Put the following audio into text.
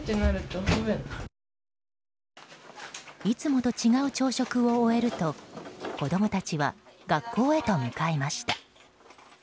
いつもと違う朝食を終えると子供たちは学校へと向かいました。